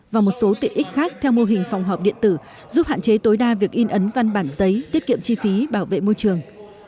và một số tiện ích khác theo mô hình phòng họp điện tử giúp hạn chế tối đa việc in ấn văn bản giấy tiết kiệm chi phí bảo vệ môi trường